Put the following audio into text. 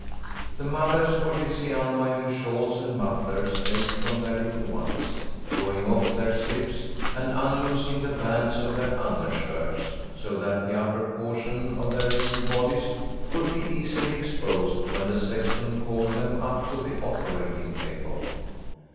The mothers were busy unwinding shawls and mufflers late from their little ones, drawing off their slips, and unloosing the bands of their undershirts, so that the upper portion of their little bodies could be easily exposed when the sexton called them up to the operating table.